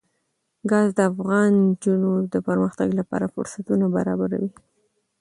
ګاز د افغان نجونو د پرمختګ لپاره فرصتونه برابروي.